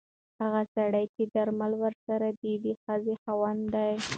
هغه سړی چې درمل ورسره دي د ښځې خاوند دی.